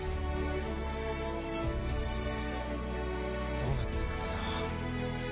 どうなっているのかな。